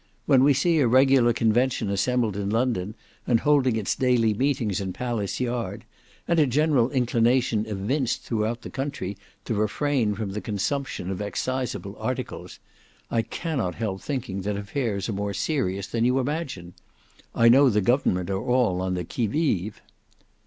When we see a regular Convention assembled in London and holding its daily meetings in Palace Yard; and a general inclination evinced throughout the country to refrain from the consumption of exciseable articles, I cannot help thinking that affairs are more serious than you imagine. I know the government are all on the 'qui vive.